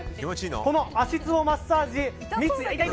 この足つぼマッサージ痛い痛い。